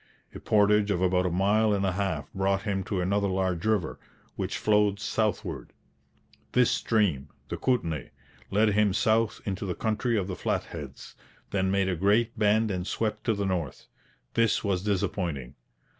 A portage of about a mile and a half brought him to another large river, which flowed southward. This stream the Kootenay led him south into the country of the Flatheads, then made a great bend and swept to the north. This was disappointing.